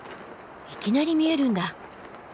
いきなり見えるんだ。